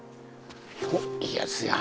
おっいいやつや。